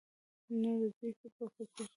نو د دوي په فکر